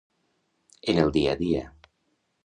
En el dia a dia.